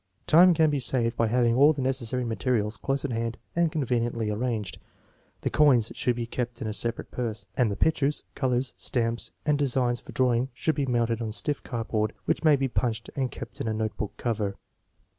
Time can be saved by having all the necessary materials close at hand and conveniently arranged. The coins should be kept in a separate purse, and the pictures, colors, stamps, and designs for drawing should be mounted on stiff card board, which may be punched and kept in a notebook cover.